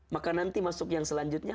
maka nanti masuk yang selanjutnya